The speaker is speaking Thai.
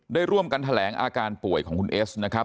ได้ร่วมกันแถลงอาการป่วยของคุณเอสนะครับ